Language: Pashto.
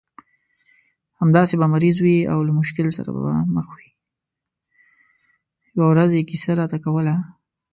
يوه ورځ يې کیسه راته کوله.